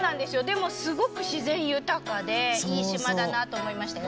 でもすごく自然豊かでいい島だなと思いましたよ。